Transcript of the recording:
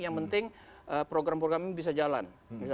yang penting program programnya bisa jalan